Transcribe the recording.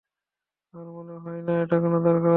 আমার মনে হয় না এটার কোনো দরকার আছে।